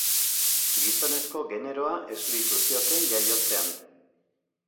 Gizonezko generoa esleitu zioten jaiotzean.